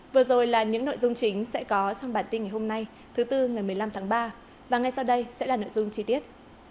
vừa rồi là những nội dung chính sẽ có trong bản tin ngày hôm nay thứ tư ngày một mươi năm tháng ba và ngay sau đây sẽ là nội dung chi tiết